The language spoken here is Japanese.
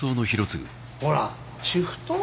ほらシフト？